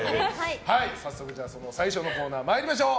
早速、最初のコーナー参りましょう。